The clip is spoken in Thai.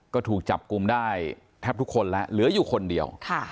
ก็ถูกจับกลุ่มได้แทบทุกคนแล้วเหลืออยู่คนเดียว